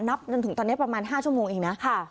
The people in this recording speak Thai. จนถึงตอนนี้ประมาณ๕ชั่วโมงเองนะ